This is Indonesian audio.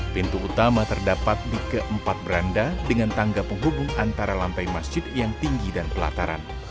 pintu utama terdapat di keempat beranda dengan tangga penghubung antara lantai masjid yang tinggi dan pelataran